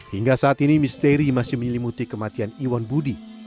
hingga saat ini misteri masih menyelimuti kematian iwan budi